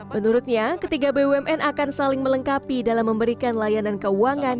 menurutnya ketiga bumn akan saling melengkapi dalam memberikan layanan keuangan